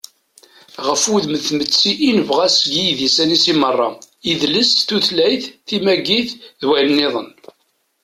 ɣef wudem n tmetti i nebɣa seg yidisan-is meṛṛa: idles, tutlayt, timagit, d wayen-nniḍen